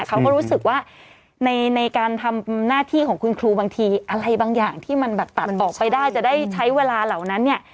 เขาก็รู้สึกว่าในการทำหน้าที่ของคุณครูบางทีอะไรบางอย่างที่มันแบบตัดออกไปได้จะได้ใช้เวลาเหล่านั้นเนี่ย